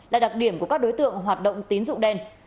là đặc điểm của các đối tượng hoạt động tín dụng đen